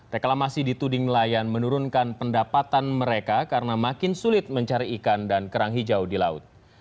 reklamasi dituding nelayan menurunkan pendapatan mereka karena makin sulit mencari ikan dan kerang hijau di laut